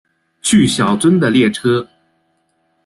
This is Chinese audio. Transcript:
去小樽的列车